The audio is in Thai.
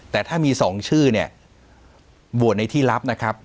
แต่ถ้ามี๒ชื่อเนี่ยโหวตในที่ลับนะครับ